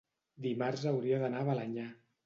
dimarts hauria d'anar a Balenyà.